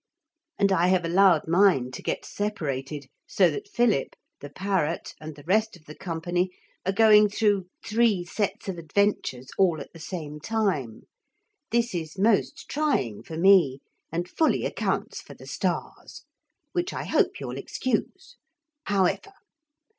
And I have allowed mine to get separated so that Philip, the parrot and the rest of the company are going through three sets of adventures all at the same time. This is most trying for me, and fully accounts for the stars. Which I hope you'll excuse. However.